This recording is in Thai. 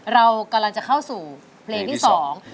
เรากำลังจะเข้าสู่เพลงที่สอง